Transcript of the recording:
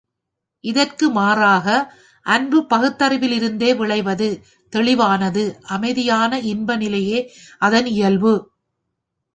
இதற்கு மாறாக, அன்பு பகுத்தறிவிலிருந்தே விளைவது தெளிவானது அமைதியான இன்ப நிலையே அதன் இயல்பு.